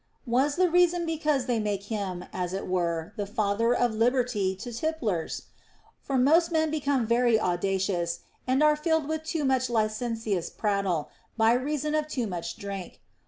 Was the reason because they make him, as it were, the father of liberty to tipplers ? For most men become very audacious and are filled with too much licen tious prattle, by reason of too much drink.